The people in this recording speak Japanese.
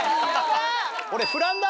俺。